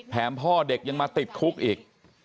พ่อเด็กยังมาติดคุกอีก